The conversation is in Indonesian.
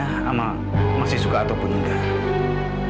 sama masih suka ataupun enggak